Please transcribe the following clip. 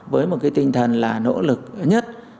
với một tinh thần là nỗ lực nhất